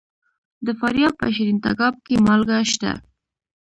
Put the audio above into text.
د فاریاب په شیرین تګاب کې مالګه شته.